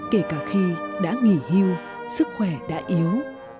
kể cả khi đã nghỉ hưu sức khỏe đã yếu